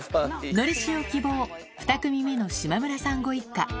のりしお希望、２組目の島村さんご一家。